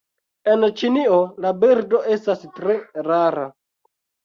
En Ĉinio la birdo estas tre rara.